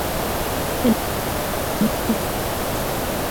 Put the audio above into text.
En materia mecánica no tuvo modificaciones.